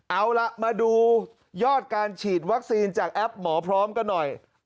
เอาล่ะมาดูยอดการฉีดวัคซีนจากแอปหมอพร้อมกันหน่อย